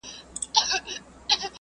تر دوو سترګو یې